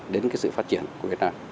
đến sự phát triển của việt nam